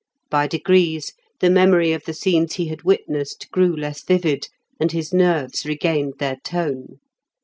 By degrees the memory of the scenes he had witnessed grew less vivid, and his nerves regained their tone.